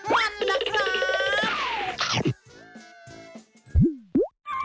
นั่นแหล่กครับ